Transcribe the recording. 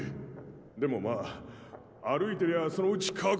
でもまあ歩いてりゃそのうち乾く。